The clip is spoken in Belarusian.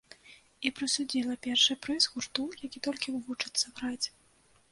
І прысудзіла першы прыз гурту, які толькі вучыцца граць.